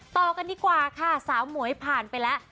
ต่อกันดีกว่าค่ะสาวหมวยผ่านไปแล้ว